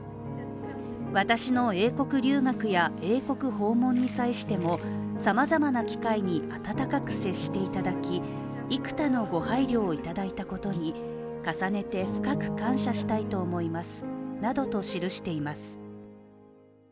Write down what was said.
私の英国留学や英国訪問に際してもさまざまな機会に温かく接していただき幾多の御配慮をいただいたことに重ねて深く感謝したいと思いますなどと記しています。